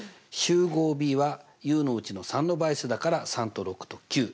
集合ＢはＵのうちの３の倍数だから３と６と９。